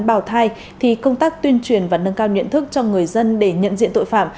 bảo thai thì công tác tuyên truyền và nâng cao nhận thức cho người dân để nhận diện tội phạm